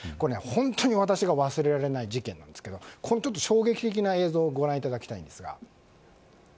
本当に私が忘れられない事件なんですが衝撃的な映像をご覧いただきたいです。